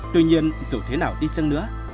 tuy nhiên dù thế nào đi chăng nữa